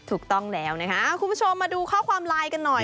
ถูกต้องแล้วนะคะคุณผู้ชมมาดูข้อความไลน์กันหน่อย